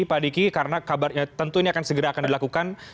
pak diki karena kabarnya tentu ini akan segera akan dilakukan